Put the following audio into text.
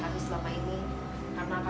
karena kami sudah menduga